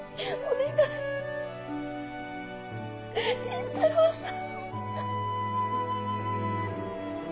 倫太郎さん。